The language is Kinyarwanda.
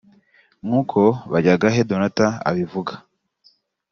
nk’uko Bajyagahe Donatha abivuga